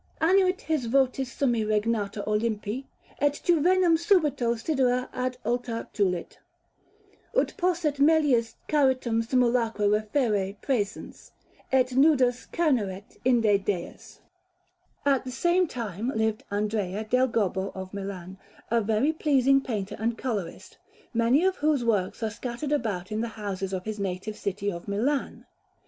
Annuit his votis summi regnator Olympi, Et juvenem subito sidera ad alta tulit, Ut posset melius Charitum simulacra referre Præsens, et nudas cerneret inde Deas. At this same time lived Andrea del Gobbo of Milan, a very pleasing painter and colourist, many of whose works are scattered about in the houses of his native city of Milan.